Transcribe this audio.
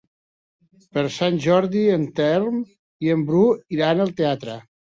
Per Sant Jordi en Telm i en Bru iran al teatre.